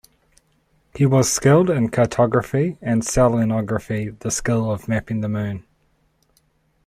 He was skilled in cartography and selenography, the skill of mapping the Moon.